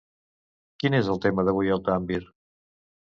Quin és el tema d'avui al Tumblr?